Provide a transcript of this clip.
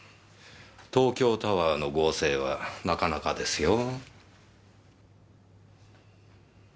東京タワーの合成はなかなかですよ。